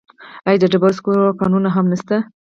آیا د ډبرو سکرو کانونه هم نشته؟